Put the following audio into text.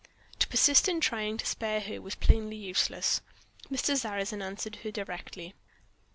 To persist in trying to spare her was plainly useless; Mr. Sarrazin answered her directly.